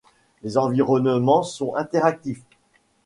Les environnements sont interactifs.